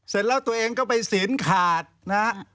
เสร็จแล้วตัวเองก็ไปศีลขาดนะฮะ